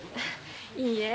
いいえ。